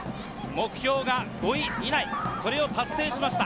目標が５位以内、それを達成しました。